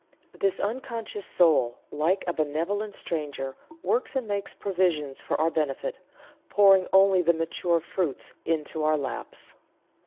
This unconscious soul, like a benevolent stranger, works and makes provisions for our benefit, pouring only the mature fruits into our laps."